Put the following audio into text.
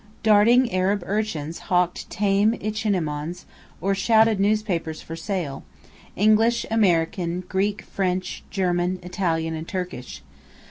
Darting Arab urchins hawked tame ichneumons, or shouted newspapers for sale English, American, Greek, French, German, Italian, and Turkish.